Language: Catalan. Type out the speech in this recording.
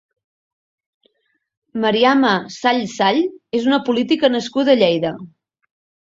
Mariama Sall Sall és una política nascuda a Lleida.